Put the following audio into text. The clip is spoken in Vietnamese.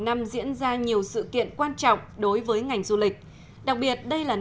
đặc biệt đây là một trong những sự kiện quan trọng đối với ngành du lịch đặc biệt đây là một